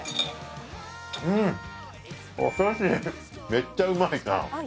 めっちゃうまい。